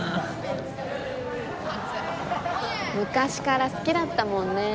昔から好きだったもんね。